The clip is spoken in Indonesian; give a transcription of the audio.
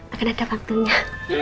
akan ada panggungnya